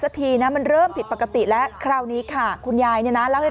ทีนะมันเริ่มผิดปกติแล้วคราวนี้ค่ะคุณยายเนี่ยนะเล่าให้